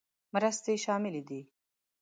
مرستې شاملې دي.